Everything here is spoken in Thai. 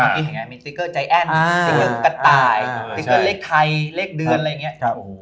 คิดเห็นไงมีสติ๊กเกอร์ใจแอ้นสติ๊กเกอร์กระต่ายสติ๊กเกอร์เลขไทยเลขเดือนอะไรอย่างนี้